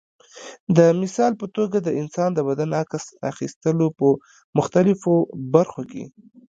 د مثال په توګه د انسان د بدن عکس اخیستلو په مختلفو برخو کې.